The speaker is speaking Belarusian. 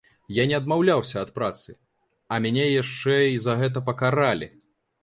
Я не адмаўляўся ад працы, а мяне яшчэ і за гэта пакаралі.